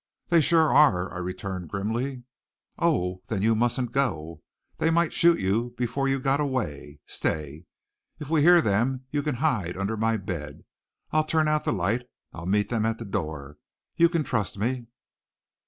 "They sure are," I returned grimly. "Oh! Then you mustn't go. They might shoot you before you got away. Stay. If we hear them you can hide under my bed. I'll turn out the light. I'll meet them at the door. You can trust me.